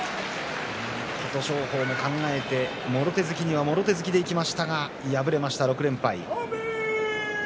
琴勝峰も考えてもろ手突きにはもろ手突きでいきましたが敗れまして６連敗。